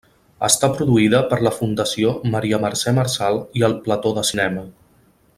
Està produïda per la Fundació Maria-Mercè Marçal i El Plató de Cinema.